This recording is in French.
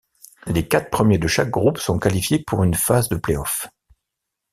Les quatre premiers de chaque groupe sont qualifiés pour une phase de playoffs.